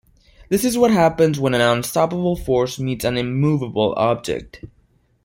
This is what happens when an unstoppable force meets an immovable object.